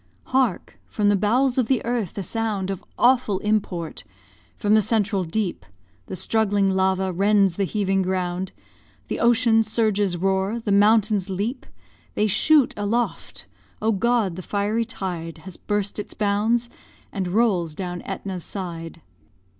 Hark! from the bowels of the earth, a sound Of awful import! From the central deep The struggling lava rends the heaving ground, The ocean surges roar the mountains leap They shoot aloft, Oh, God! the fiery tide Has burst its bounds, and rolls down Etna's side.